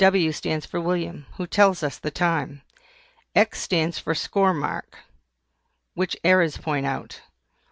W stands for WILLIAM, who tells us the time. X stands for SCORE MARK, which errors point out.